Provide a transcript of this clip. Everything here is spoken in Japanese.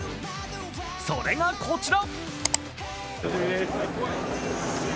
それがこちら。